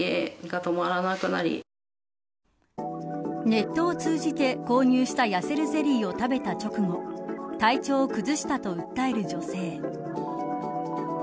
ネットを通じて購入したやせるゼリーを食べた直後体調を崩したと訴える女性。